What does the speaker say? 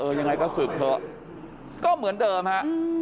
ยังไงก็ศึกเถอะก็เหมือนเดิมฮะ